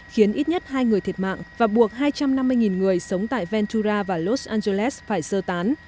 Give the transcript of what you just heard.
khiến ít nhất hai người thiệt mạng và buộc hai trăm năm mươi người sống tại ventura và los angeles phải sơ tán